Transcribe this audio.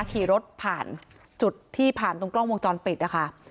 ขี่รถผ่านจุดที่ผ่านตรงกล้องวงจรปิดนะคะ